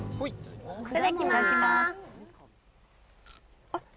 いただきますあ！